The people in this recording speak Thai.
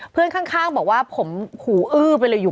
เพื่อนข้างบอกว่าผมหูอื้อไปเลยอยู่